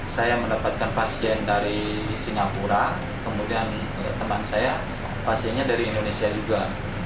saya mendapatkan pasien dari singapura kemudian teman saya pasiennya dari indonesia juga